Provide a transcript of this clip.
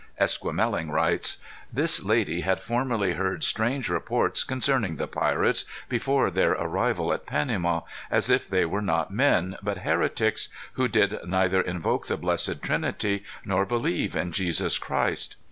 Esquemeling writes: "This lady had formerly heard strange reports concerning the pirates, before their arrival at Panama, as if they were not men, but heretics, who did neither invoke the blessed Trinity, nor believe in Jesus Christ.